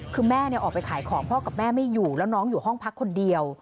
คือแม่ออกไปขายของพ่อกับแม่ไม่อยู่แล้วน้องอยู่ห้องพักคนเดียว